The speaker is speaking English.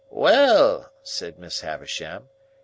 "Well!" said Miss Havisham.